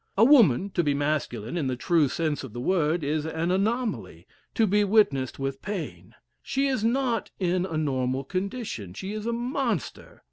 A woman to be masculine, in the true sense of the word, is an anomaly, to be witnessed with pain. She is not in a normal condition. She is a monster.